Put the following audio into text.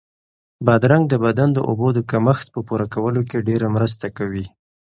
بادرنګ د بدن د اوبو د کمښت په پوره کولو کې ډېره مرسته کوي.